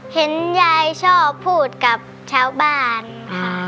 เห็นยายชอบพูดกับชาวบ้านค่ะ